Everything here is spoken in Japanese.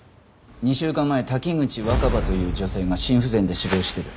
２週間前滝口若葉という女性が心不全で死亡してる。